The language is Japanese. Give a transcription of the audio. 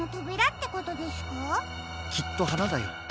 きっとはなだよ。